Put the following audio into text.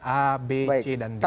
a b c dan b